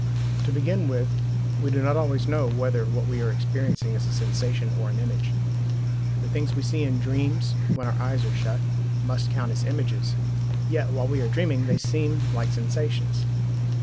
To begin with: we do not always know whether what we are experiencing is a sensation or an image. The things we see in dreams when our eyes are shut must count as images, yet while we are dreaming they seem like sensations.